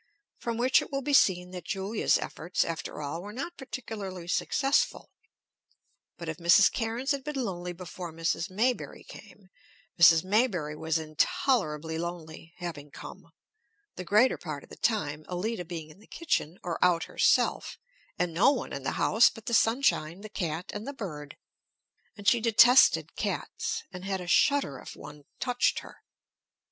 From which it will be seen that Julia's efforts after all were not particularly successful. But if Mrs. Cairnes had been lonely before Mrs. Maybury came, Mrs. Maybury was intolerably lonely, having come; the greater part of the time, Allida being in the kitchen, or out herself, and no one in the house but the sunshine, the cat, and the bird; and she detested cats, and had a shudder if one touched her.